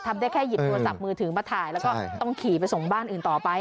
ได้แค่หยิบโทรศัพท์มือถือมาถ่ายแล้วก็ต้องขี่ไปส่งบ้านอื่นต่อไป